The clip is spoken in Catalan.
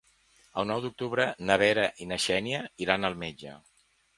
El nou d'octubre na Vera i na Xènia iran al metge.